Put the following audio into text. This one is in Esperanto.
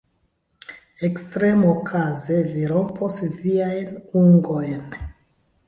Ekstremokaze vi rompos viajn ungojn!